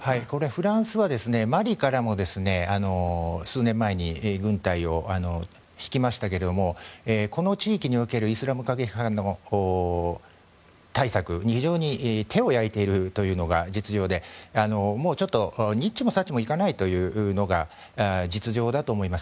フランスはマリからも数年前に軍隊を引きましたけれどもこの地域におけるイスラム過激派対策に非常に手を焼いているというのが実情でちょっとにっちもさっちもいかないというのが実情だと思います